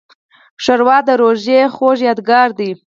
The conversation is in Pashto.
ښوروا د روژې خوږه یادګار ده.